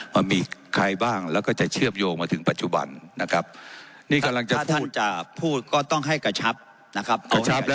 ว่ามีใครบ้างแล้วก็จะเชื่อมโยงมาถึงปัจจุบันนะครับนี่กำลังจะท่านจะพูดก็ต้องให้กระชับนะครับ